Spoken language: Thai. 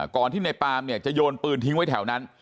ก่อนที่ในปามเนี่ยจะโยนปืนทิ้งไว้แถวนั้น